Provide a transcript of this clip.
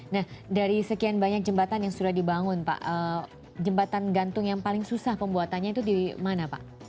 nah dari sekian banyak jembatan yang sudah dibangun pak jembatan gantung yang paling susah pembuatannya itu di mana pak